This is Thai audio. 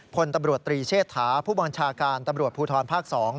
พลตำรวจตรีเชษฐาผู้บัญชาการตำรวจภูทรภาค๒